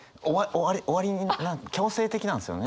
終わりに強制的なんですよね。